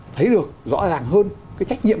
thấy được rõ ràng hơn cái trách nhiệm